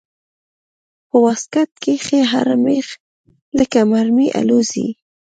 په واسکټ کښې هر مېخ لکه مرمۍ الوزي.